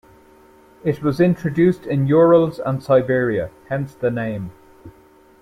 It was introduced in Urals and Siberia, hence the name.